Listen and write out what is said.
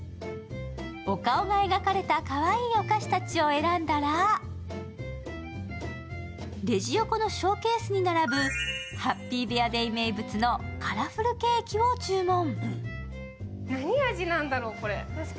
お顔が描かれたかわいいお菓子たちを選んだらレジ横のショーケースに並ぶＨＡＰＰＹＢＥＡＲＤＡＹ名物のカラフルケーキを注文。